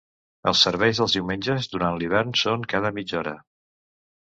Els serveis dels diumenges durant l'hivern són cada mitja hora.